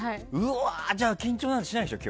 じゃあ、緊張しないでしょ？